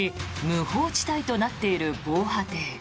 無法地帯となっている防波堤。